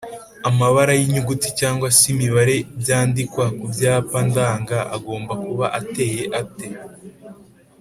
amabara y’inyuguti cg se imibare byandikwa ku byapa ndanga agomba kuba ateye ate